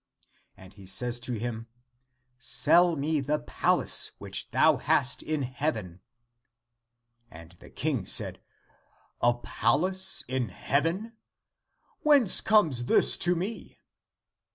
And he says to him, " Sell me the palace which thou hast in heaven." And the King said, " A palace in heaven — whence comes this to me?